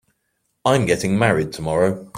I'm getting married tomorrow.